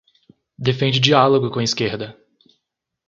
defende diálogo com a esquerda